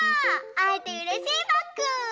あえてうれしいバク！